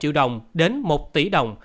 một trăm linh triệu đồng đến một tỷ đồng